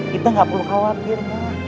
kita gak perlu khawatir